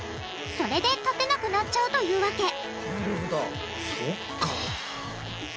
それで立てなくなっちゃうというわけそっか。